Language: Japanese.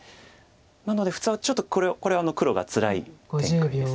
なので普通はちょっとこれは黒がつらい展開です。